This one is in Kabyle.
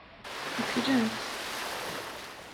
Uklen-t.